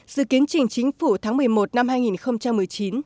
dự kiến trình chính phủ tháng một mươi một năm hai nghìn một mươi chín